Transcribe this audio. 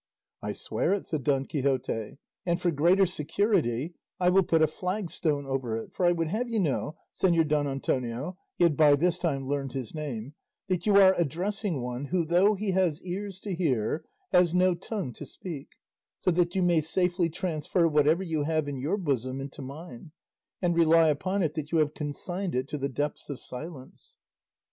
"I swear it," said Don Quixote, "and for greater security I will put a flag stone over it; for I would have you know, Señor Don Antonio" (he had by this time learned his name), "that you are addressing one who, though he has ears to hear, has no tongue to speak; so that you may safely transfer whatever you have in your bosom into mine, and rely upon it that you have consigned it to the depths of silence."